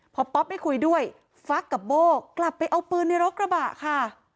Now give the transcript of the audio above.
พอป๊อปไม่คุยด้วยฟักกับโบ้กลับไปเอาปืนในรถกระบะค่ะ